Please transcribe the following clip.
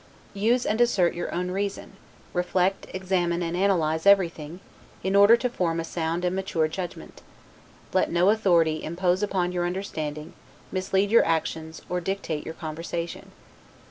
Use and assert your own reason; reflect, examine, and analyze everything, in order to form a sound and mature judgment; let no (authority) impose upon your understanding, mislead your actions, or dictate your conversation.